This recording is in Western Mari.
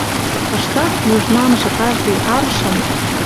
Кыштак южнамжы каждый аршын